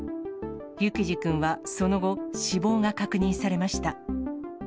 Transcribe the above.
幸士君はその後、死亡が確認されました。